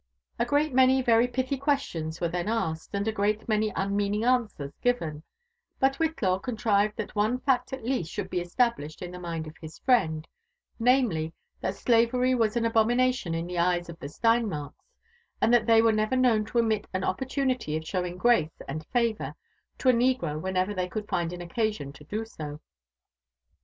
A great many very pithy 'questions were then asked, and a great many unmeaning answers given ; but Whitlaw contrived that one fact at least should be established in the mind of his friend, — namely, that slavery was an abomination in the eyes of the Stein marks, and that they were never known to omit an opportunity of showing grace and favour to a negro whenever they could find an occasion to do so.